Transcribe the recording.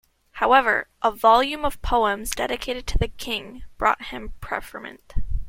However, a volume of poems dedicated to the king brought him preferment.